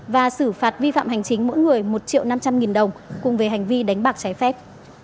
và xử phạt vi phạm hành chính mỗi người một triệu năm trăm linh nghìn đồng cùng về hành vi đánh bạc trái phép